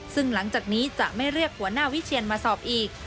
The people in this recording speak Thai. ซึ่งหลังจากนี้จะไม่เรียกหัวหน้าวิเชียนมาสอบอีก